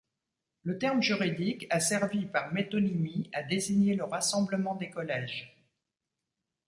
Le terme juridique a servi par métonymie à désigner le rassemblement des collèges.